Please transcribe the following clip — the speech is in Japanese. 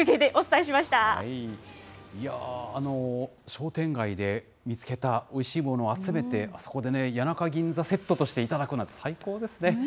商店街で見つけたおいしいものを集めて、あそこで谷中銀座セットとして頂くのは最高ですね。